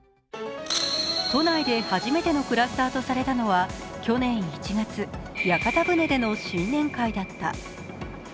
都内で初めてのクラスターとされたのは去年１月、屋形船での新年会だった。